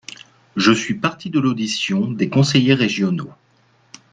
Je suis parti de l’audition des conseillers régionaux.